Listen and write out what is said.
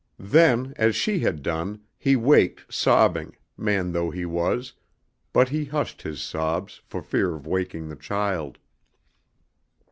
Then as she had done, he waked sobbing, man though he was, but he hushed his sobs for fear of waking the child.